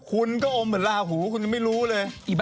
คุณก็อมเหมือนลาหูคุณยังไม่รู้เลย